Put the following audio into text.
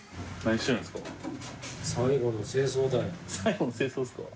最後の清掃ですか？